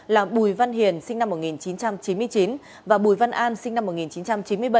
là bùi văn hiền sinh năm một nghìn chín trăm chín mươi chín và bùi văn an sinh năm một nghìn chín trăm chín mươi bảy